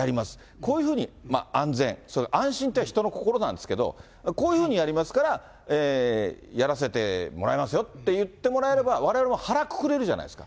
こういうふうに安全、安心というのは人の心なんですけれども、こういうふうにやりますからやらせてもらいますよって言ってもらえれば、われわれも腹くくれるじゃないですか。